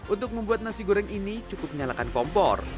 untuk membuat nasi goreng ini cukup menyalakan kompor